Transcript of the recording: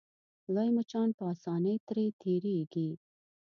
لوی مچان په اسانۍ ترې تېرېږي.